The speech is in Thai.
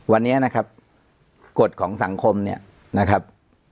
วันนี้นะครับกฎของสังคมเนี่ยนะครับ